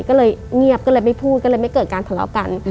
ก็เลยเงียบก็เลยไม่พูดก็เลยไม่เกิดการทะเลาะกัน